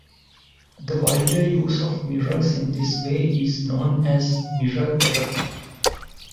The wider use of mirrors in this way is known as mirror therapy.